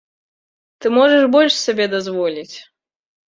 Ты можаш больш сабе дазволіць!